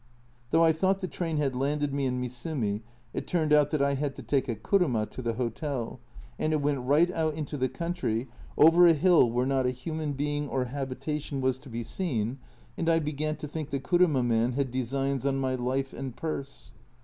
Though I thought the train had landed me in Misumi, it turned out that I had to take a kuruma to the hotel, and it went right out into the country, over a hill where not a human being or habitation was to be seen, and I began to A Journal from Japan 51 think the kuruma man had designs on my life and purse.